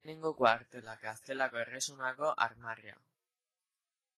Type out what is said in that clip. Lehenengo kuartela: Gaztelako Erresumako armarria.